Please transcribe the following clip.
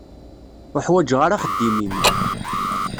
Ur ḥwaǧeɣ ara axeddim-im.